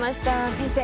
先生